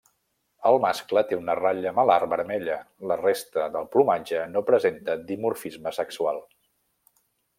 El mascle té una ratlla malar vermella, la resta del plomatge no presenta dimorfisme sexual.